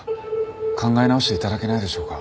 考え直していただけないでしょうか？